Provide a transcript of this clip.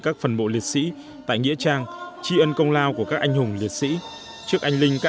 các phần bộ liệt sĩ tại nghĩa trang tri ân công lao của các anh hùng liệt sĩ trước anh linh các